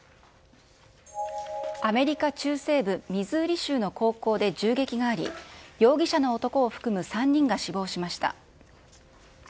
アメリカ中西部ミズーリ州の高校で銃撃があり、容疑者の男を含む３人が死亡しました。